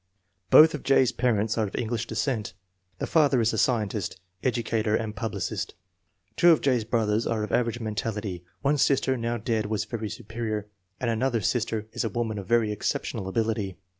Both of J.'s parents are of English descent. The father is a scientist, educator, and publicist. Two of J.'s brothers are of average mentality; one sister, now dead, was very superior, and another sister is a woman of very exceptional ability.